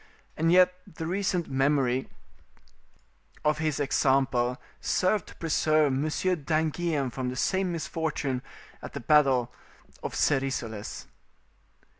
And yet the recent memory of his example served to preserve Monsieur d'Anguien from the same misfortune at the battle of Serisoles.